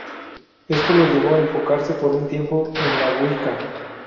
Esto lo llevó a enfocarse por un tiempo en la Wicca.